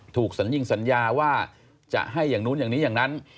สัญญิงสัญญาว่าจะให้อย่างนู้นอย่างนี้อย่างนั้น